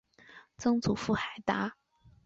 曾祖父海达。